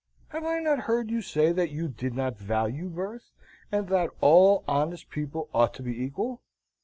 Have I not heard you say that you did not value birth, and that all honest people ought to be equal?